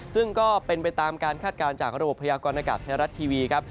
ซึ่งก็เป็นไปตามการคาดการณ์จากระบบพยากรณากาศไทยรัฐทีวีครับ